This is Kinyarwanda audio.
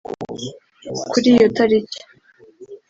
Kuri iyo tariki